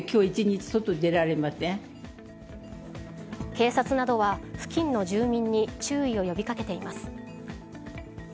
警察などは付近の住民に注意を呼び掛けています。